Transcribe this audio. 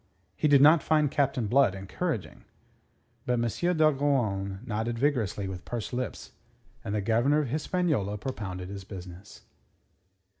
He did not find Captain Blood encouraging. But M. d'Ogeron nodded vigorously with pursed lips, and the Governor of Hispaniola propounded his business.